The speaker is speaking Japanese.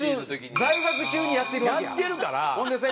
在学中にやってるわけや。